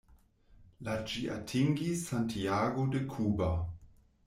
La ĝi atingis Santiago de Cuba.